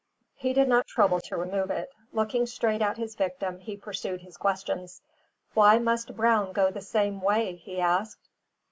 He did not trouble to remove it. Looking straight at his victim, he pursued his questions. "Why must Brown go the same way?" he asked.